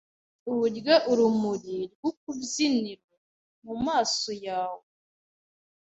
uburyo urumuri rw'ukubyiniro mumaso yawe